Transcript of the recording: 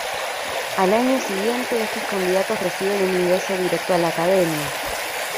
Al año siguiente, estos candidatos reciben un ingreso directo a la academia.